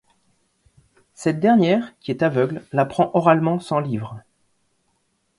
Cette dernière, qui est aveugle, l'apprend oralement sans livre.